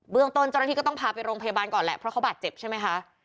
เบื้องตนจารย์ทรีย์ก็ต้องพาไปโรงพยาบาลก่อนล่ะเพราะเขาบาดเจ็บใช่ไหมคะ